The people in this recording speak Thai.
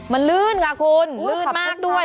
มันลื่นค่ะคุณลื่นมากด้วย